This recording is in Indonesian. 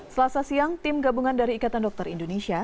selasa siang tim gabungan dari ikatan dokter indonesia